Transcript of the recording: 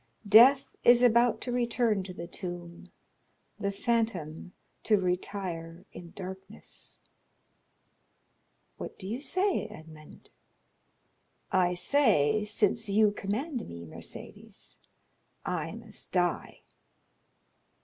Death is about to return to the tomb, the phantom to retire in darkness." "What do you say, Edmond?" "I say, since you command me, Mercédès, I must die."